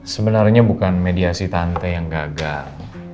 sebenarnya bukan mediasi tante yang gagal